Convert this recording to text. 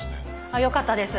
あっよかったです。